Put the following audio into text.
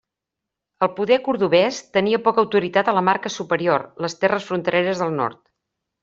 El poder cordovès tenia poca autoritat a la Marca Superior, les terres frontereres del nord.